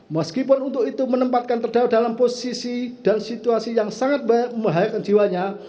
meskipun untuk itu menempatkan terdakwa dalam posisi dan situasi yang sangat membahayakan jiwanya